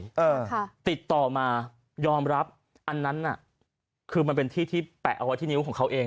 เออค่ะติดต่อมายอมรับอันนั้นน่ะคือมันเป็นที่ที่แปะเอาไว้ที่นิ้วของเขาเอง